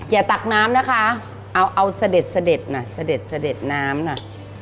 อย่าตักน้ำนะคะเอาเสด็ดนะเสด็ดน้ำนะ